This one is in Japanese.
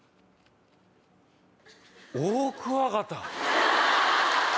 オオクワガタ。